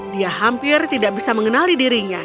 dia hampir tidak bisa mengenalinya